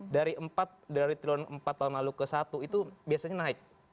dari triulang empat tahun lalu ke satu itu biasanya naik